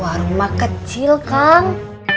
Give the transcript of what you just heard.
wah rumah kecil kang